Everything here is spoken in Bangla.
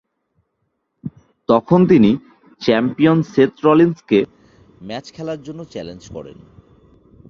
তখন তিনি চ্যাম্পিয়ন সেথ রলিন্স কে ম্যাচ খেলার জন্য চ্যালেঞ্জ করেন।